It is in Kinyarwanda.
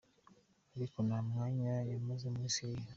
Ariko nta mwanya bamaze muri Syria.